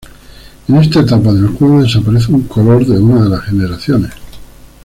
En esta etapa del juego desaparece un color de una de las generaciones.